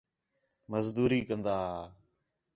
مزدوری کندا ھا